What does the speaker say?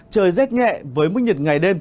trời rét nhẹ với mức nhiệt ngày đêm